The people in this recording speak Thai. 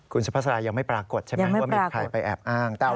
คุณสุภาษายังไม่ปรากฏใช่ไหมว่ามีใครไปแอบอ้างแต้ว